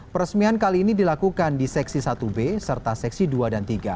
peresmian kali ini dilakukan di seksi satu b serta seksi dua dan tiga